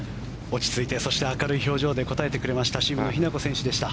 落ち着いてそして明るい表情で答えてくれました渋野日向子選手でした。